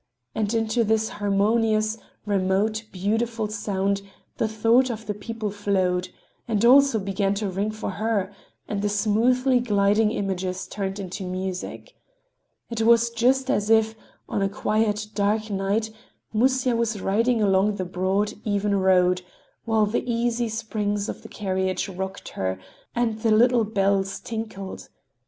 And into this harmonious, remote, beautiful sound the thoughts of the people flowed, and also began to ring for her; and the smoothly gliding images turned into music. It was just as if, on a quiet, dark night, Musya was riding along a broad, even road, while the easy springs of the carriage rocked her and the little bells tinkled.